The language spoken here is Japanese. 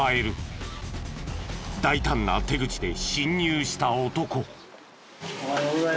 大胆な手口で侵入した男。